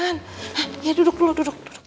hah ya duduk dulu duduk